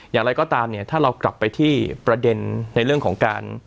อย่างไรก็ตามเนี่ยถ้าเรากลับไปที่ประเด็นในเรื่องของการ